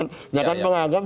saya sebagai pengagam